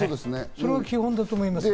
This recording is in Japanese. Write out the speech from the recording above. それが基本だと思います。